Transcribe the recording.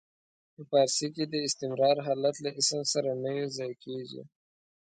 په فارسي کې د استمرار حالت له اسم سره نه یو ځای کیږي.